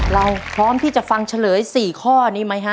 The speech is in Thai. เราพร้อมที่จะฟังเฉลย๔ข้อนี้ไหมฮะ